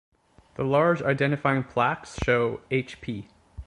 The large identifying plaques show "H P".